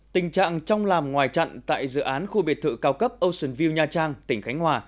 tình trạng trong làm ngoài chặn tại dự án khu biệt thự cao cấp ocean view nha trang tỉnh khánh hòa